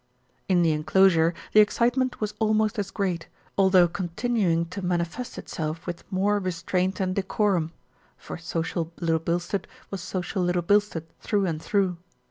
In the enclosure the excitement was almost as great, although continuing to manifest itself with more re 202 THE RETURN OF ALFRED straint and decorum; for social Little Bilstead was social Little Bilstead through and through.